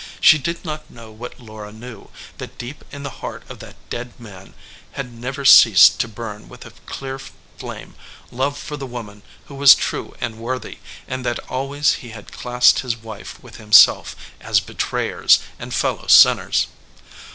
She did not know what Laura knew, that deep in the heart of that dead man had never ceased to burn with a clear flame love for the woman who was true and worthy, and 12 SARAH EDGEWATER that always he had classed his wife with himself, as betrayers and fellow sinners.